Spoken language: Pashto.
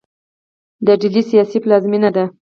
ډیلي سیاسي پلازمینه ده.